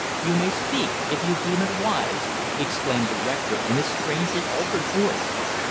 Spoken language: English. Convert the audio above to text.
"You may speak if you deem it wise," exclaimed the rector in a strangely altered voice.